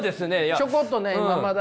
ちょこっとね今まだ。